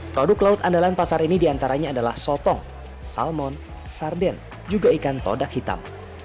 produk laut andalan pasar ini diantaranya adalah sotong salmon sarden juga ikan todak hitam